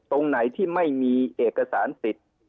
ตรงไหนที่ไม่มีเอกสารสิทธิ์